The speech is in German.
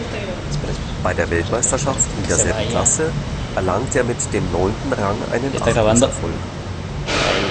Bei der Weltmeisterschaft in derselben Klasse erlangte er mit dem neunten Rang einen Achtungserfolg.